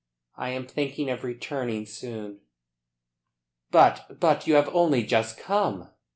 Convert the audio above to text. I am thinking of returning soon." "But but you have only just come!"